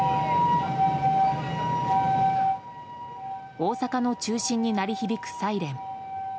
大阪の中心に鳴り響くサイレン。